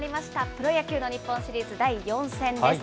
プロ野球の日本シリーズ第４戦です。